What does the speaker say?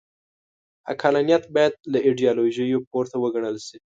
عقلانیت باید له ایډیالوژیو پورته وګڼل شي.